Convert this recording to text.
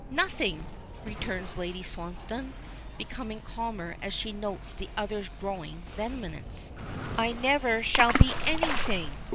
"Nothing!" returns Lady Swansdown, becoming calmer as she notes the other's growing vehemence. "I never shall be anything.